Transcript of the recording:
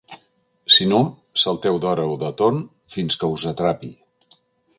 Si no, salteu d'hora o de torn fins que us atrapi.